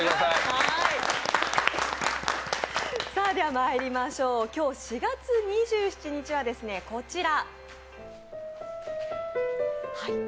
まいりましょう今日４月２７日はこちら。